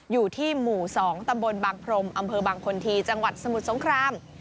อยู่ที่หมู่๒ตำบลบางพรมอำเภอบางคนทีจังหวัดสมุทรสงคราม